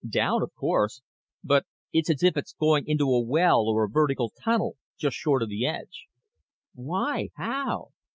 "Down, of course, but it's as if it's going into a well, or a vertical tunnel, just short of the edge." "Why? How?"